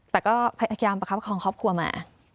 แต่ก็พยายามประคับคองครอบครัวมา